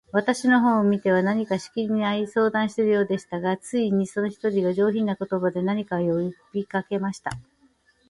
私の方を見ては、何かしきりに相談しているようでしたが、ついに、その一人が、上品な言葉で、何か呼びかけました。